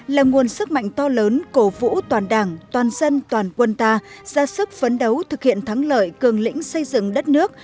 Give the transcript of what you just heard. là nguồn sức mạnh to lớn cổ vũ toàn đảng toàn dân toàn quân ta ra sức phấn đấu thực hiện thắng lợi cường lĩnh xây dựng đất nước